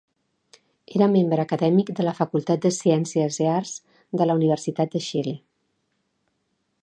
Era membre acadèmic de la Facultat de Ciències i Arts de la Universitat de Xile.